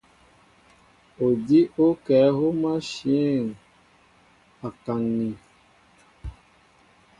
Odíw ó kɛ̌ hǒm ashɛ̌ŋ a kaŋ̀in.